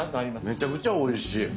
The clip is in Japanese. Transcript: めちゃくちゃおいしい！